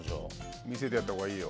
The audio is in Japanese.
見せてやったほうがいいよ。